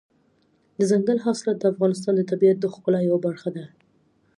دځنګل حاصلات د افغانستان د طبیعت د ښکلا یوه برخه ده.